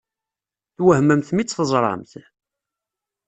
Twehmemt mi tt-teẓṛamt?